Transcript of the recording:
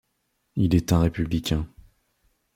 Il est un républicain.